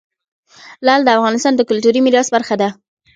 لعل د افغانستان د کلتوري میراث برخه ده.